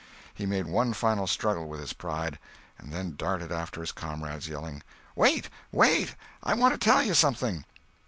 He made one final struggle with his pride, and then darted after his comrades, yelling: "Wait! Wait! I want to tell you something!"